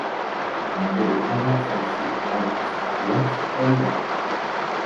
També van exercir altes funcions a l'Iraq.